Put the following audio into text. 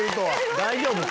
大丈夫か？